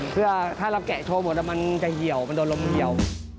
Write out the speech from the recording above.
เพื่อถ้าเราแกะโชว์หมดมันจะเหี่ยวมันโดนลมเหี่ยว